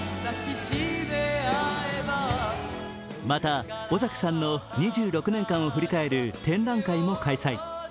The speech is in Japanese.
また、尾崎さんの２６年間を振り返る展覧会も開催。